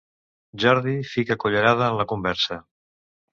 Jordi ficà cullerada en la conversa.